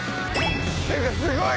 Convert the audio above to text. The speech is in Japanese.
てかすごい！